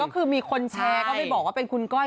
ก็คือมีคนแชร์ก็ไปบอกว่าเป็นคุณก้อย